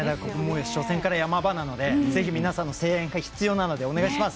初戦から山場なのでぜひ皆さんの声援が必要なのでお願いします！